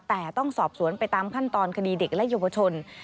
แต่ต้องสอบสวนไปตามขั้นตอนคดีเด็กและเยาวชน